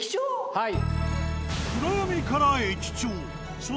はい。